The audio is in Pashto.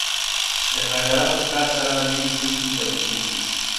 د کارګرانو په کار سره نوي توکي تولیدېږي